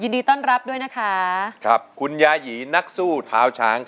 สถานการณ์ชีวิตโจรสมัติปัจรัส